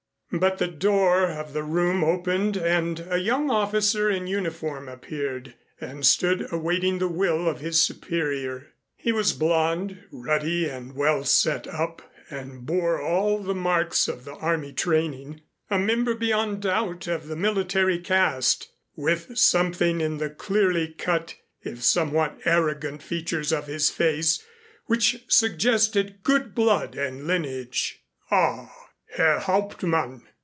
But the door of the room opened and a young officer in uniform appeared and stood awaiting the will of his superior. He was blond, ruddy and well set up and bore all the marks of the army training a member beyond doubt of the military caste with something in the clearly cut, if somewhat arrogant, features of his face which suggested good blood and lineage. "Ah, Herr Hauptmann!"